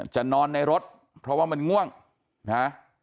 จะนอนในรถเพราะว่ามันง่วงนะ